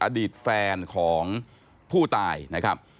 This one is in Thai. อดีตแฟนของผู้ตายนะครับ